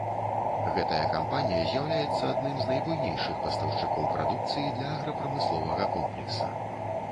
Гэтая кампанія з'яўляецца адным з найбуйнейшых пастаўшчыкоў прадукцыі для аграпрамысловага комплекса.